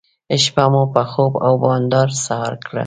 شپه مو په خوب او بانډار سهار کړه.